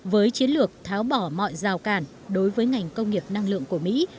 với chiến lược tháo bỏ mọi rào cản đối với ngành công nghiệp năng lượng của mỹ